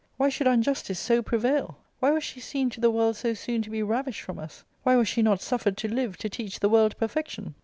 Why should unjustice so prevail ? Why was she seen to the world so soon to be ravished from us ? Why was she not suffered to live, to teach the world perfection